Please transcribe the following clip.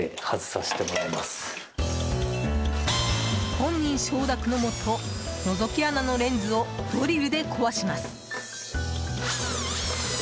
本人承諾のもと、のぞき穴のレンズをドリルで壊します。